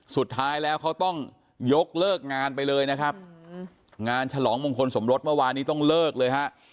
สุดท้ายแล้วเขาต้องยกเลิกงานไปเลยนะครับงานฉลองมงคลสมรสเมื่อวานนี้ต้องเลิกเลยฮะ